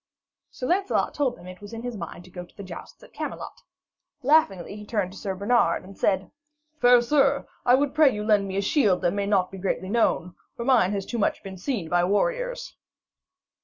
Sir Lancelot told them it was in his mind to go to the jousts at Camelot. Laughingly he turned to Sir Bernard, and said: 'Fair sir, I would pray you to lend me a shield that may not be greatly known, for mine has been too much seen by warriors.'